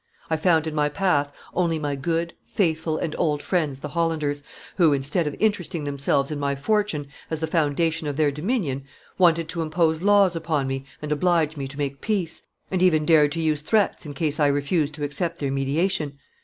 I found in my path only my good, faithful, and old friends the Hollanders, who, instead of interesting themselves in my fortune as the foundation of their dominion, wanted to impose laws upon me and oblige me to make peace, and even dared to use threats in case I refused to accept their mediation.